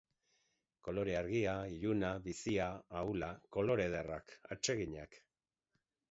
Kolore argia, iluna, bizia, ahula. Kolore ederrak, atseginak.